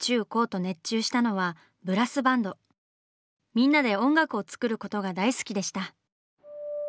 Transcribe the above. みんなで音楽を作ることが大好きでした。